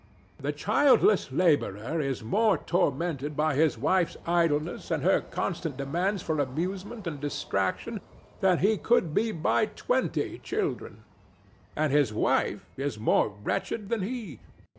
The childless laborer is more tormented by his wife's idleness and her constant demands for amusement and distraction than he could be by twenty children; and his wife is more wretched than he.